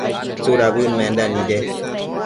¿tsudabëd menda nide ?